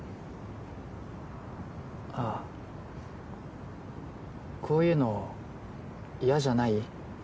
あっこういうの嫌じゃない？